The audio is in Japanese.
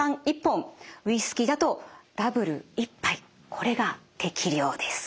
これが適量です。